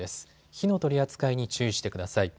火の取り扱いに注意してください。